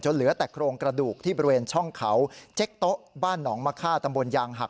เหลือแต่โครงกระดูกที่บริเวณช่องเขาเจ๊กโต๊ะบ้านหนองมะค่าตำบลยางหัก